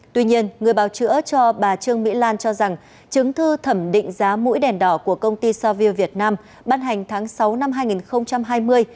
tuy nhiên người báo chữa cho bà trương mỹ lan cho rằng chứng thư thẩm định giá mũi đèn đỏ của công ty saville việt nam bắt hành tháng sáu năm hai nghìn hai mươi